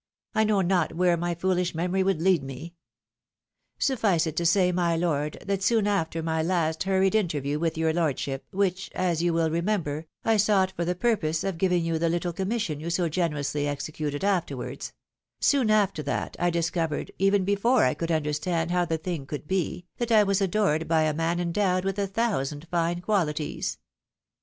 I know pot where my foohsh memory would lead me ! Suffice it to say, my lord, that soon after my last hurried interview with your lordship, wliich, as you will remember, I sought for the purpose of giving you the little commission you so generously executed afterwards — soon after that, I discovered, even before I could understand how the thing could be, that I was adored by a man endowed with a thousand fine qualities.